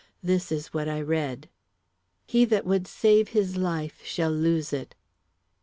This is what I read: "_He that would save his life shall lose it.